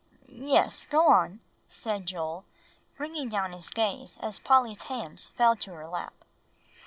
"Yes, go on," said Joel, bringing down his gaze as Polly's hands fell to her lap.